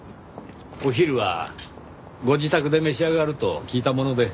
お昼はご自宅で召し上がると聞いたもので。